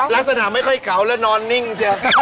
ลักษณะไม่ค่อยเก๋าแล้วนอนนิ่งจะ